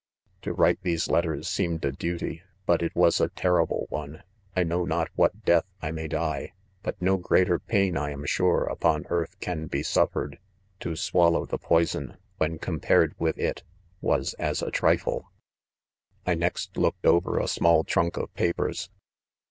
." l To write these letters seemed a duty,, but it was a terrible . one,. I know not^wlat death I may die, .but mo greater pain, I.knLsure, np° on earth, can be suffered* To swallow the poison, when compared with it, was as a trifle. £42 k xdobsbk. < *I next Jboked over a small trank of papers'.